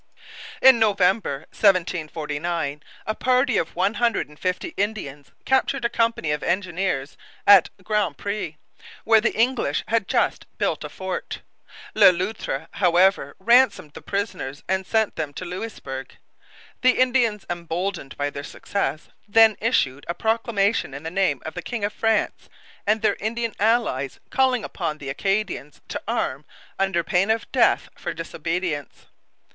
In November 1749 a party of one hundred and fifty Indians captured a company of engineers at Grand Pre, where the English had just built a fort. Le Loutre, however, ransomed the prisoners and sent them to Louisbourg. The Indians, emboldened by their success, then issued a proclamation in the name of the king of France and their Indian allies calling upon the Acadians to arm, under pain of death for disobedience.